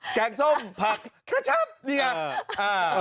แกงส้มผักกระชับนี่ไง